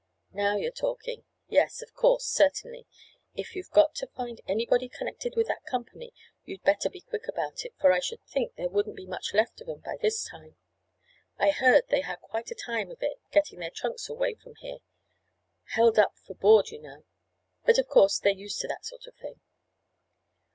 Now you're talking. Yes, of course, certainly. If you've got to find anybody connected with that company you'd better be quick about it, for I should think there wouldn't be much left of 'em by this time. I heard they had quite a time of it getting their trunks away from here. Held up for board, you know. But of course they're used to that sort of thing."